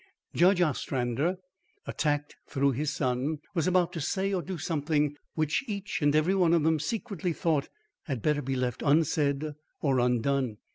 Judge Ostrander, attacked through his son, was about to say or do something which each and every one of them secretly thought had better be left unsaid or undone.